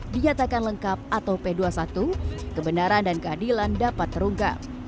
dinyatakan lengkap atau p dua puluh satu kebenaran dan keadilan dapat terungkap